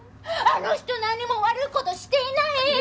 あの人何も悪い事していない！